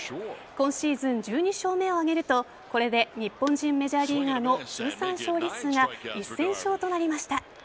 今シーズン１２勝目を挙げるとこれで日本人メジャーリーガーの通算勝利数が１０００勝となりました。